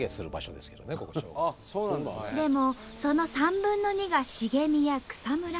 でもその３分の２が茂みや草むら。